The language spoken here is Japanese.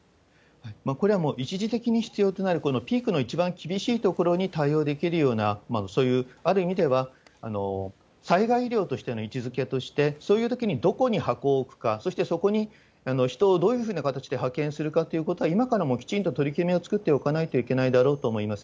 これはもう一時的に必要となる、このピークの一番厳しいところに対応できるような、そういう、ある意味では災害医療としての位置づけとして、そういうときにどこに箱を置くか、そしてそこに人をどういうふうな形で派遣するかということは今からもきちんと取り決めを作っておかなきゃいけないだろうと思います。